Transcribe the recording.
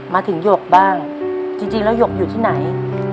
หยกบ้างจริงแล้วหยกอยู่ที่ไหน